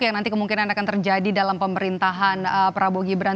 yang nanti kemungkinan akan terjadi dalam pemerintahan prabowo gibran